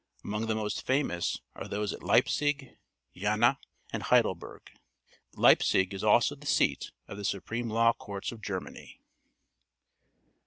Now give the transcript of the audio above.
Among the most famous are those at Leipzig, Jena, and Heidelberg. Leipzig is also the seat of the supreme law courts of Germany.